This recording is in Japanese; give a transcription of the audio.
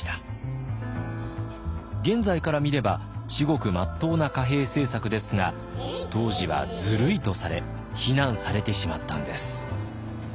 現在から見れば至極まっとうな貨幣政策ですが当時はずるいとされ非難されてしまったんです。